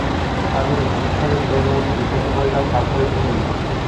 আমি রুদ্ধস্বরে বিবর্ণমুখে জিজ্ঞাসা করিলাম, তার পরে কী হইল।